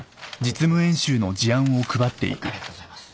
ありがとうございます。